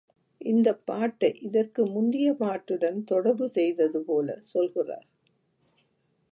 இந்தப் பாட்டை இதற்கு முந்திய பாட்டுடன் தொடர்பு செய்தது போலச் சொல்கிறார்.